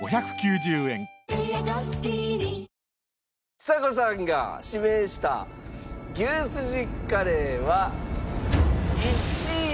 ちさ子さんが指名した牛すじカレーは１位。